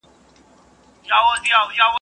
د سړکونو رغول اړین دي ځکه چی تګ راتګ اسانوي.